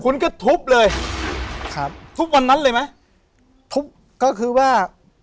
คุณก็ทุบเลยครับทุบวันนั้นเลยไหมทุบก็คือว่า